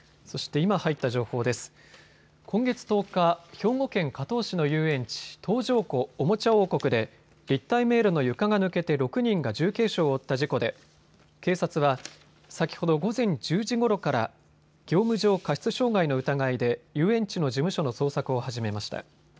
今月１０日、兵庫県加東市の遊園地、東条湖おもちゃ王国で立体迷路の床が抜けて６人が重軽傷を負った事故で警察は先ほど午前１０時ごろから業務上過失傷害の疑いで遊園地の事務所の捜索を始めました。